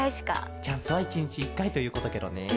チャンスは１にち１かいということケロね。